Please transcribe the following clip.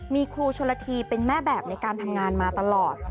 มีครูชนละทีเป็นแม่แบบในการทำงานมาตลอด